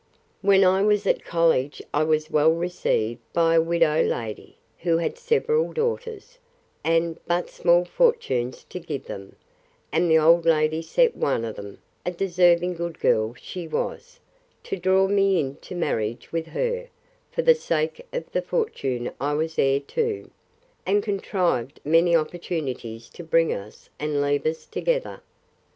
When I was at college, I was well received by a widow lady, who had several daughters, and but small fortunes to give them; and the old lady set one of them (a deserving good girl she was,) to draw me into marriage with her, for the sake of the fortune I was heir to; and contrived many opportunities to bring us and leave us together.